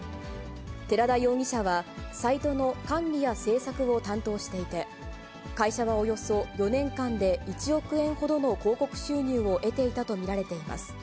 寺田容疑者は、サイトの管理や制作を担当していて、会社はおよそ４年間で１億円ほどの広告収入を得ていたと見られています。